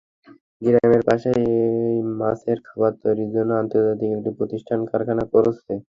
গ্রামের পাশেই মাছের খাবার তৈরির জন্য আন্তর্জাতিক একটি প্রতিষ্ঠান কারখানা করেছে।